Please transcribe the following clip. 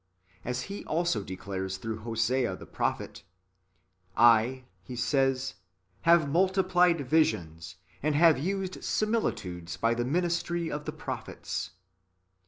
As He also declares through Hosea the prophet :" I," He says, "have multiplied visions, and have used similitudes by the ministry (ill manihus) of the prophets."